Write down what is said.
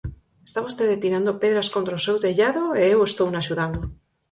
Está vostede tirando pedras contra o seu tellado, eu estouna axudando.